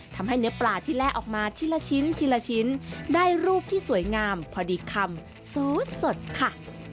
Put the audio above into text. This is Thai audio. ทำให้เนื้อปลาที่แร่ออกมาทีละชิ้นทีละชิ้นได้รูปที่สวยงามพอดีคำซูดสดค่ะ